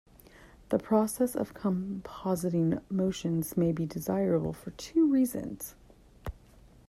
The process of compositing motions may be desirable for two reasons.